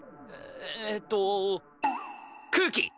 えーっと空気！